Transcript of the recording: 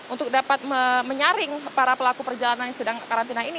untuk dapat menyaring para pelaku perjalanan yang sedang karantina ini